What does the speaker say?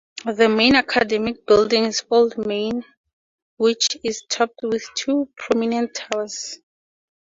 The main academic building is Old Main, which is topped with two prominent towers.